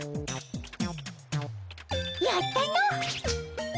やったの！